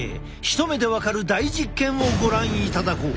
一目で分かる大実験をご覧いただこう。